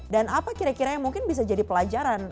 dan apa kira kira yang mungkin bisa jadi pelajaran